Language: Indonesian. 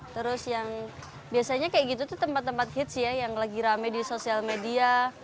terus yang biasanya kayak gitu tuh tempat tempat hits ya yang lagi rame di sosial media